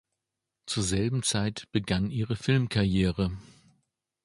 Zur selben Zeit begann ihre Filmkarriere.